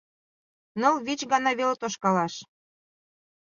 Ныл-вич гана веле тошкалаш!...